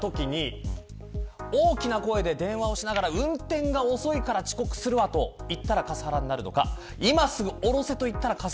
タクシーが渋滞に巻き込まれたときに大きな声で電話をしながら運転が遅いから遅刻するわと言ったらカスハラになるのか。